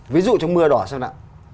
ví dụ trong mưa đỏ sao ạ